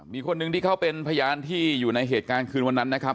มีคนหนึ่งที่เขาเป็นพยานที่อยู่ในเหตุการณ์คืนวันนั้นนะครับ